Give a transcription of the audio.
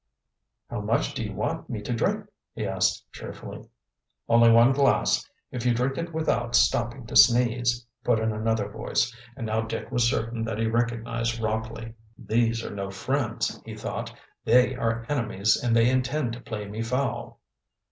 "How much do you want me to drink?" he asked cheerfully. "Only one glass, if you drink it without stopping to sneeze," put in another voice, and now Dick was certain that he recognized Rockley. "These are no friends," he thought. "They are enemies and they intend to play me foul."